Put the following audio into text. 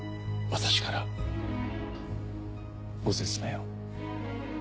私からご説明を。